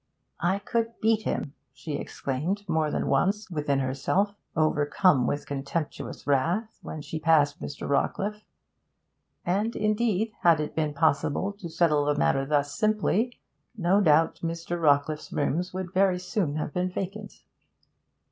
'I could beat him!' she exclaimed more than once within herself, overcome with contemptuous wrath, when she passed Mr. Rawcliffe. And, indeed, had it been possible to settle the matter thus simply, no doubt Mr. Rawcliffe's rooms would very soon have been vacant.